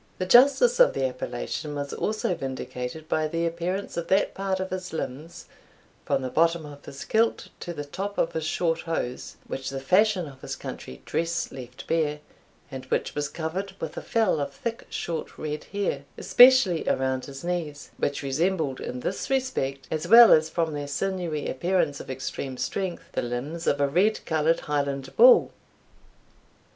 The justice of the appellation was also vindicated by the appearance of that part of his limbs, from the bottom of his kilt to the top of his short hose, which the fashion of his country dress left bare, and which was covered with a fell of thick, short, red hair, especially around his knees, which resembled in this respect, as well as from their sinewy appearance of extreme strength, the limbs of a red coloured Highland bull.